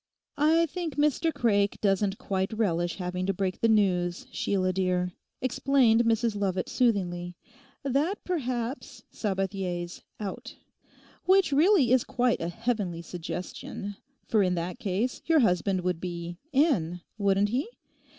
'I think Mr Craik doesn't quite relish having to break the news, Sheila dear,' explained Mrs Lovat soothingly, 'that perhaps Sabathier's out. Which really is quite a heavenly suggestion, for in that case your husband would be in, wouldn't he?